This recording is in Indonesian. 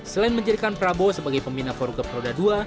selain menjadikan prabowo sebagai pembina forukap roda ii